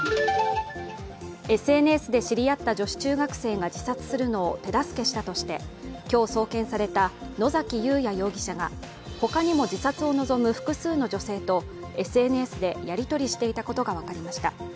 ＳＮＳで知り合った女子中学生が自殺するのを手助けしたとして今日送検された野崎祐也容疑者が他にも自殺を望む複数の女性とＳＮＳでやり取りしていたことが分かりました。